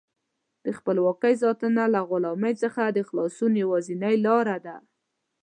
د خپلواکۍ ساتنه له غلامۍ څخه د خلاصون یوازینۍ لاره ده.